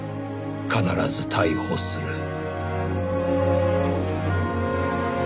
「必ず逮捕する」